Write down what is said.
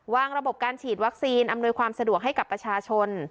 ระบบการฉีดวัคซีนอำนวยความสะดวกให้กับประชาชน